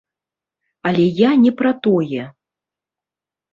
Але я не пра тое!